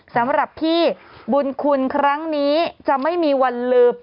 สำหรับพี่บุญคุณครั้งนี้จะไม่มีวันลืม